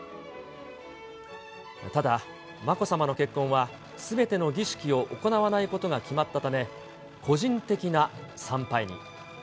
ただ、まこさまの結婚はすべての儀式を行わないことが決まったため、個人的な参拝に。